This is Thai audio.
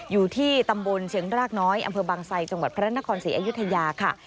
อยู่ที่ตำบลเชียงรากน้อยอำเภอบางไซจังหวัดพระนครศรีอยุธยาค่ะ